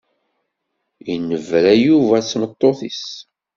Yennebra Yuba d tmeṭṭut-is.